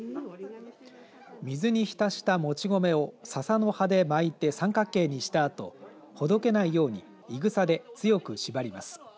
水に浸したもち米をささの葉で巻いて三角形にしたあとほどけないようにいぐさで強く縛ります。